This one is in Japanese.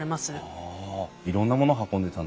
はあいろんなもの運んでたんですね。